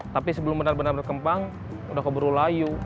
tapi sebelum benar benar berkembang udah keburu layu